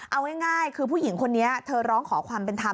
เอาง่ายคือผู้หญิงคนนี้เธอร้องขอความเป็นธรรม